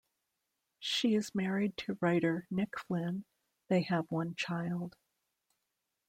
She is married to writer Nick Flynn; they have one child.